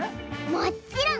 もっちろん！